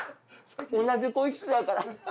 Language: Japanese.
同じ声質だから。